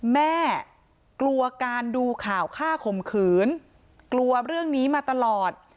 แม่กลัวการดูข่าวฆ่าข่มขืนกลัวเรื่องนี้มาตลอด